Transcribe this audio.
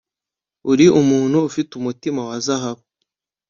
Uri umuntu ufite umutima wa zahabu